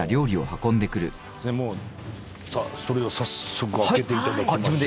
さあそれでは早速開けていただきましょう。